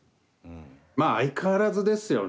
まあ相変わらずですよね。